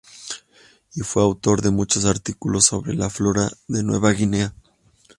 Y fue autor de muchos artículos sobre la flora de Nueva Guinea.